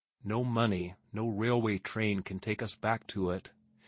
No money, no railway train can take us back to it.